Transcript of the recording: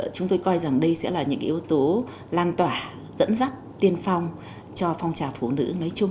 chúng tôi coi rằng đây sẽ là những yếu tố lan tỏa dẫn dắt tiên phong cho phong trào phụ nữ nói chung